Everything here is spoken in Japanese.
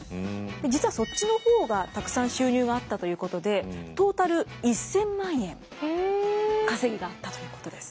実はそっちの方がたくさん収入があったということでトータル１，０００万円稼ぎがあったということです。